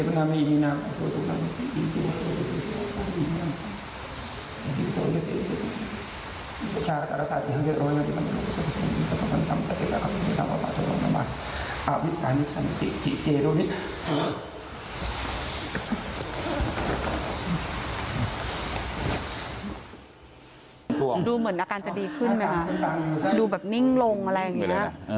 ดูเหมือนอาการจะดีขึ้นไหมคะดูแบบนิ่งลงอะไรอย่างนี้